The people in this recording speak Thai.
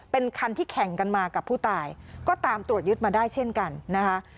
เป็นคันที่แข่งกันมากับผู้ตายก็ตามตรวจยึดมาได้เช่นกันนะคะ